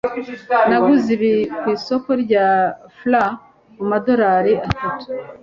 Naguze ibi ku isoko rya fla kumadorari atatu.